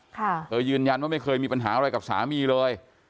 เธอยืนยันว่าไม่เคยมีปัญหาอะไรกับสามีเลย